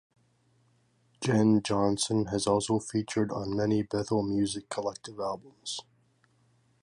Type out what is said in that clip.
Jenn Johnson has also featured on many Bethel Music collective albums.